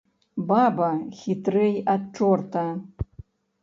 Баба хітрэй ад чорта!